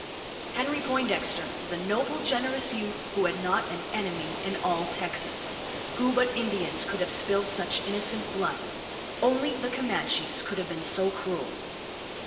Henry Poindexter the noble generous youth who had not an enemy in all Texas! Who but Indians could have spilled such innocent blood? Only the Comanches could have been so cruel?